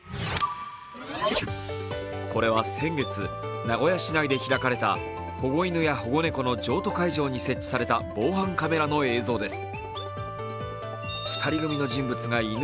これは先月、名古屋市内で開かれた保護犬や保護猫の譲渡会場に設置された防犯カメラの映像です。